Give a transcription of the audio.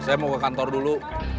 saya mau ke kantor dulu